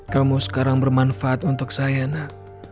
kamu sekarang bermanfaat untuk saya nak